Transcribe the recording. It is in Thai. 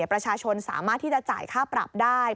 ประชาชนสามารถที่จะจ่ายค่าปรับได้